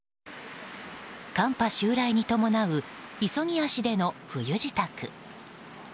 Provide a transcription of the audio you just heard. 寒波襲来に伴う急ぎ足での冬支度。